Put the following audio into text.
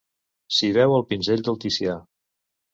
S'hi veu el pinzell del Ticià.